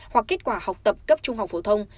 hoặc kết quả học tập cấp trung học phổ thông